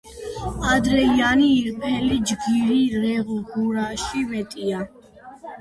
ადრეიანი ირფელი ჯგირი რე ღურაში მეტია.